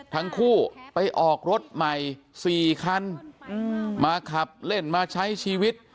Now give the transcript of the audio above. ทั้งคู่ไปออกรถใหม่๔คันมาขับเล่นมาใช้ชีวิต